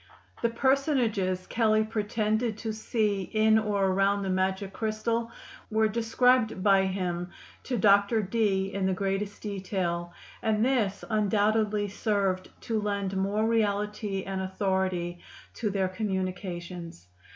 The personages Kelley pretended to see in or around the magic crystal were described by him to Dr. Dee in the greatest detail, and this undoubtedly served to lend more reality and authority to their communications.